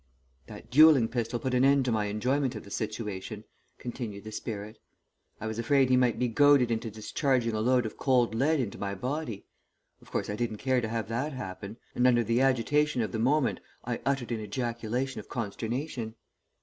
"That duelling pistol put an end to my enjoyment of the situation," continued the spirit. "I was afraid he might be goaded into discharging a load of cold lead into my body. Of course, I didn't care to have that happen, and under the agitation of the moment I uttered an ejaculation of consternation.